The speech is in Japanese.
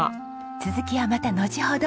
続きはまたのちほど。